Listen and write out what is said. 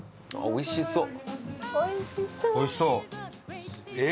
おいしそう。